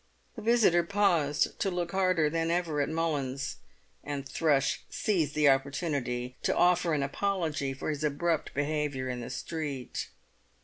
The visitor paused to look harder than ever at Mullins, and Thrush seized the opportunity to offer an apology for his abrupt behaviour in the street.